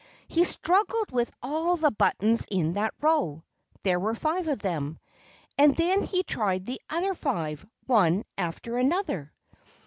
He struggled with all the buttons in that row (there were five of them). And then he tried the other five, one after another.